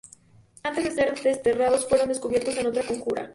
Antes de ser desterrados, fueron descubiertos en otra conjura.